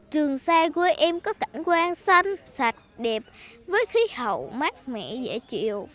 trường sa quê em có cảnh quan xanh sạch đẹp với khí hậu mát mẻ dễ chịu